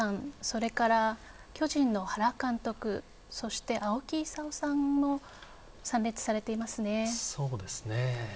それから巨人の原監督そして、青木功さんも参列されていますね。